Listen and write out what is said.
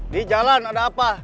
di jalan ada apa